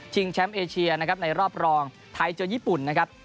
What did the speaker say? ชิงแชมป์เอเชียในรอบรองไทยเจอญี่ปุ่น